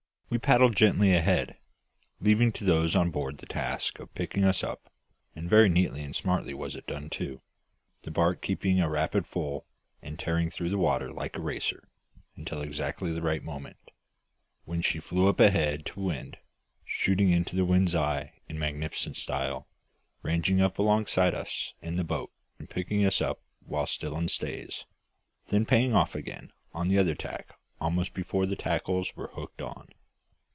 We paddled gently ahead, leaving to those on board the task of picking us up; and very neatly and smartly was it done too, the barque keeping a rap full, and tearing through the water like a racer, until exactly the right moment, when she flew up head to wind, shooting into the wind's eye in magnificent style, ranging up alongside us in the boat and picking us up while still in stays, then paying off again on the other tack almost before the tackles were hooked on.